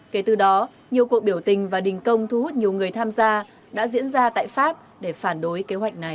kể từ đó nhiều cuộc biểu tình và đình công thu hút nhiều người tham gia đã diễn ra tại pháp để phản đối kế hoạch này